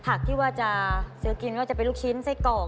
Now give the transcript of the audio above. ผักที่ว่าจะซื้อกินก็จะเป็นลูกชิ้นไส้กรอก